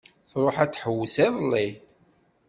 Tṛuḥ ad tḥewwes iḍelli.